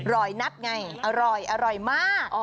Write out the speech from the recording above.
ร้อยนัดไงอร่อยอร่อยมาก